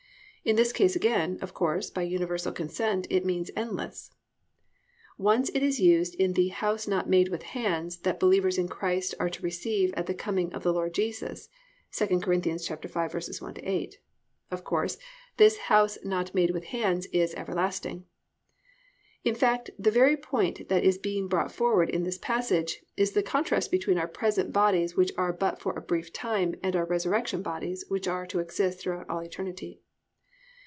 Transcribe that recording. In this case again, of course, by universal consent it means endless. Once it is used of the "house not made with hands" that believers in Christ are to receive at the coming of the Lord Jesus (II Cor. 5:1 8). Of course, this "house not made with hands" is everlasting. In fact the very point that is being brought forward in this passage is the contrast between our present bodies which are but for a brief time and our resurrection bodies which are to exist throughout all eternity.